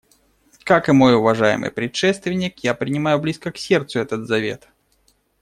Как и мой уважаемый предшественник, я принимаю близко к сердцу этот завет.